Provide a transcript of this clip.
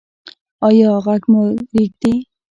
ایا غږ مو ریږدي؟